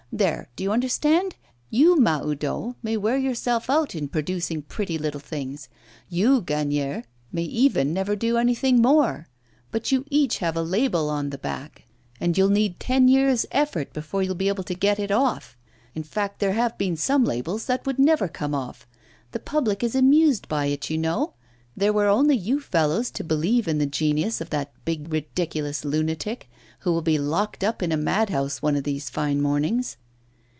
There! do you understand? You, Mahoudeau, may wear yourself out in producing pretty little things; you, Gagnière, may even never do anything more; but you each have a label on the back, and you'll need ten years' efforts before you'll be able to get it off. In fact, there have been some labels that would never come off! The public is amused by it, you know; there were only you fellows to believe in the genius of that big ridiculous lunatic, who will be locked up in a madhouse one of these fine mornings!